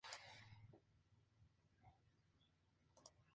Aproximadamente se corresponde con la actual aragonesa llamada Ribagorza.